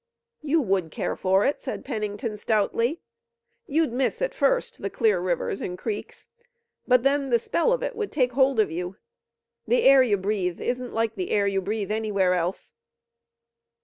"You would care for it," said Pennington stoutly. "You'd miss at first the clear rivers and creeks, but then the spell of it would take hold of you. The air you breathe isn't like the air you breathe anywhere else."